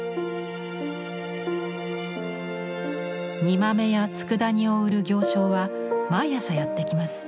煮豆やつくだ煮を売る行商は毎朝やって来ます。